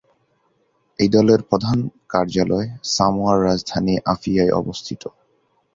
এই দলের প্রধান কার্যালয় সামোয়ার রাজধানী আপিয়ায় অবস্থিত।